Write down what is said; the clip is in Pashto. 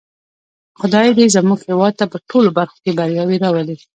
خدای دې زموږ هېواد ته په ټولو برخو کې بریاوې راولی.